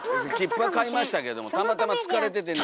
切符は買いましたけどもたまたま疲れてて寝てはった。